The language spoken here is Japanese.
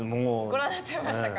ご覧になってましたか。